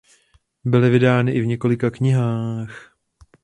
Byly vydány i v několika knihách.